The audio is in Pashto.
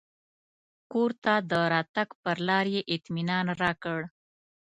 کور ته د راتګ پر لار یې اطمنان راکړ.